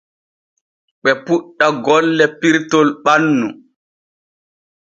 Ɓe puuɗɗa golle pirtol ɓannu.